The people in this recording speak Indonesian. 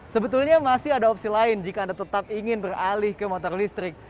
sebetulnya masih ada opsi lain jika anda tetap ingin beralih ke motor listrik